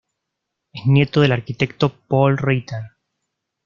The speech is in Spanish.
Es nieto del arquitecto Paul Ritter.